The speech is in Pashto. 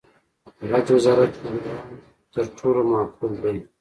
د حج وزارت پروګرام تر ټولو معقول دی.